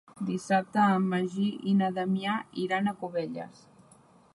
Dissabte en Magí i na Damià iran a Cubelles.